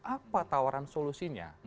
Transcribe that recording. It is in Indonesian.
apa tawaran solusinya